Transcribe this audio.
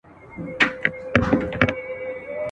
هم د سپيو هم سړيو غالمغال دئ !.